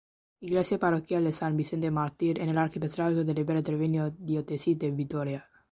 Iglesia parroquial de "San Vicente Mártir" en el Arcipestrazgo de Ribera-Treviño, diócesis de Vitoria.